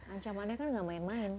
ancamannya kan gak main main